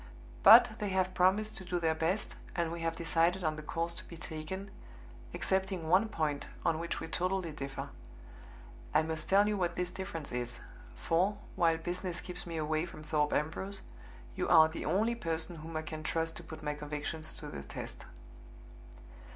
But they have promised to do their best, and we have decided on the course to be taken, excepting one point on which we totally differ. I must tell you what this difference is; for, while business keeps me away from Thorpe Ambrose, you are the only person whom I can trust to put my convictions to the test.